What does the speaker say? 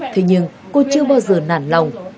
thế nhưng cô chưa bao giờ nản lòng